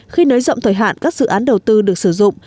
khi nới rộng thời hạn các dự án đầu tư được sử dụng